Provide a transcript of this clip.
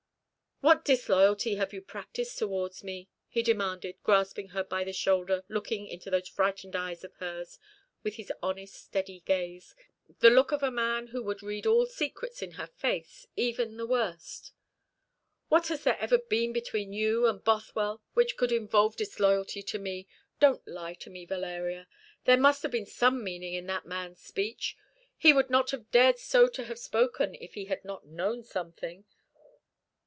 "What disloyalty have you practised towards me?" he demanded, grasping her by the shoulder, looking into those frightened eyes of hers with his honest steady gaze, the look of a man who would read all secrets in her face, even the worst. "What has there ever been between you and Bothwell which could involve disloyalty to me? Don't lie to me, Valeria! There must have been some meaning in that man's speech. He would not have dared so to have spoken if he had not known something.